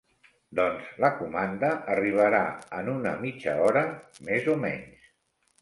Doncs la comanda arribarà en una mitja hora, més o menys.